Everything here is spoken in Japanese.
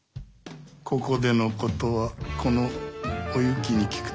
ここでのことはこのお雪に聞くといい。